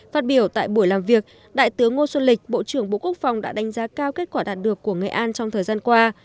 phát biểu tại buổi làm việc đại tướng ngô xuân lịch bộ trưởng bộ quốc phòng đã đánh giá cao kết quả đạt được của nghệ an trong thời gian qua